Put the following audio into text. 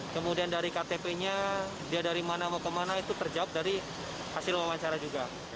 kemudian dari ktp nya dia dari mana mau kemana itu terjawab dari hasil wawancara juga